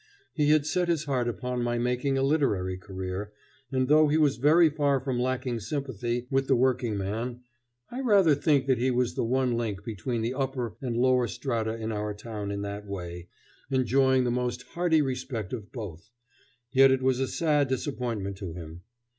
He had set his heart upon my making a literary career, and though he was very far from lacking sympathy with the workingman I rather think that he was the one link between the upper and lower strata in our town in that way, enjoying the most hearty respect of both yet it was a sad disappointment to him.